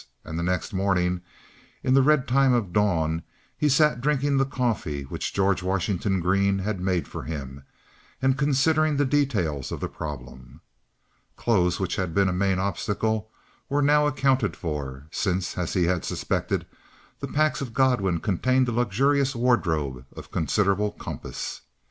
And the next morning, in the red time of the dawn, he sat drinking the coffee which George Washington Green had made for him and considering the details of the problem. Clothes, which had been a main obstacle, were now accounted for, since, as he had suspected, the packs of Godwin contained a luxurious wardrobe of considerable compass.